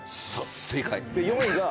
正解。